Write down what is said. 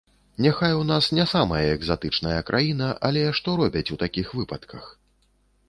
Няхай у нас не самая экзатычная краіна, але што робяць у такіх выпадках?